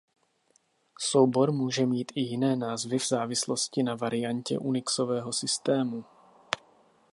Soubor může mít i jiné názvy v závislosti na variantě unixového systému.